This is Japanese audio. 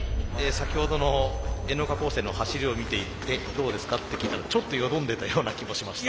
「先ほどのＮ岡高専の走りを見ていてどうですか」って聞いたらちょっとよどんでたような気もしました。